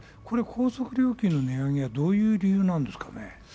これ、高速料金の値上げはどういう理由なんですかね？